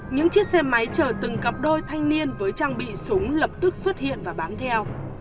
những chiếc xe máy chờ từng cặp đôi thanh niên với trang bị súng lập tức xuất hiện và bám theo